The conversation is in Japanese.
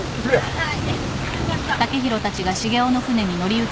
はい。